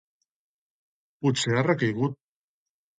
«Potser ha recaigut».